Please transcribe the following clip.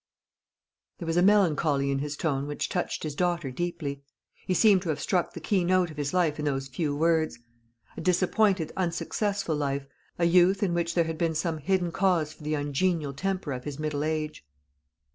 There was a melancholy in his tone which touched his daughter deeply. He seemed to have struck the key note of his life in those few words; a disappointed unsuccessful life; a youth in which there had been some hidden cause for the ungenial temper of his middle age.